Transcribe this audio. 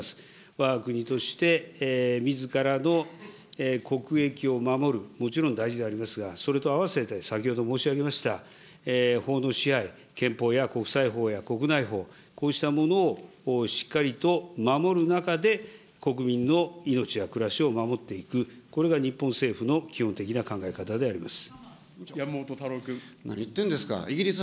わが国としてみずからの国益を守る、もちろん大事でありますが、それと併せて先ほど申し上げました、法の支配、憲法や国際法や国内法、こうしたものをしっかりと守る中で、国民の命や暮らしを守っていく、これが日本政府の基本的な考え方であります。